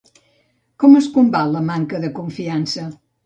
Com es combat la manca de confiança?